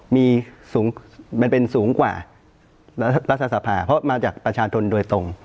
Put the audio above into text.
มีสูงมันเป็นสูงกว่ารัฐสภาเพราะมาจากประชาชนโดยตรง